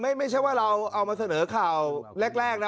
ไม่ใช่ว่าเราเอามาเสนอข่าวแรกนะ